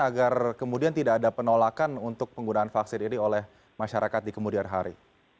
agar kemudian tidak ada penolakan untuk penggunaan vaksin ini oleh masyarakat di kemudian hari